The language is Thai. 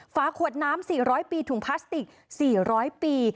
ฝาขวดน้ำ๔๐๐ปีถุงพลาสติก๔๐๐ปี